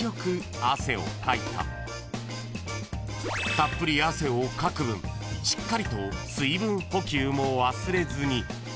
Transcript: ［たっぷり汗をかく分しっかりと水分補給も忘れずに］